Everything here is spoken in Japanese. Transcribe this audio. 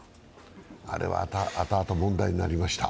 あれは後々問題になりました。